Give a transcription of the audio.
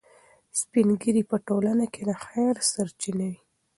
سپین ږیري په ټولنه کې د خیر سرچینه وي.